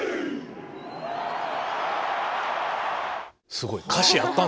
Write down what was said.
すごい。